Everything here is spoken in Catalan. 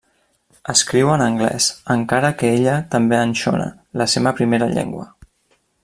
Escriu en anglès, encara que ella també en xona, la seva primera llengua.